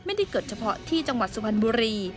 ไม่ได้เกิดเฉพาะที่จังหวัดสุพรรณบุรี